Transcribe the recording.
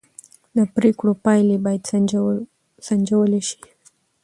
د پرېکړو پایلې باید سنجول شي